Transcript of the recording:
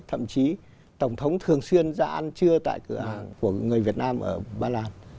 thậm chí tổng thống thường xuyên ra ăn trưa tại cửa hàng của người việt nam ở ba lan